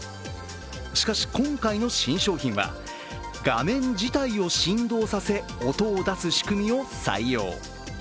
しかし、今回の新商品は画面自体を振動させ音を出す仕組みを採用。